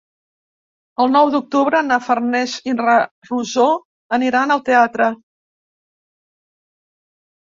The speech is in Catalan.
El nou d'octubre na Farners i na Rosó aniran al teatre.